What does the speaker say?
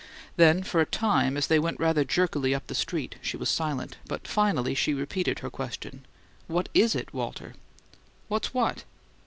Then for a time, as they went rather jerkily up the street, she was silent; but finally she repeated her question: "What IS it, Walter?" "What's what?"